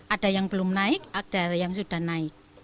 ada yang belum naik ada yang sudah naik